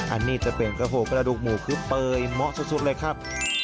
อันนี้จะเป็นของกระโหกมูลาดูกดูกหมูคือเปยหม๊อสุดเลยครับ